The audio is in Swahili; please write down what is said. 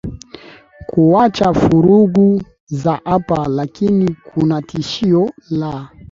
kuwacha furugu za hapa lakini kuna tishio la